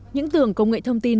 những tưởng công nghệ thông tin